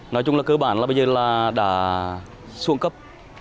nói chung là cơ bản là bây giờ là đã xuống cấp